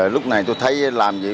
lúc này tôi thấy làm gì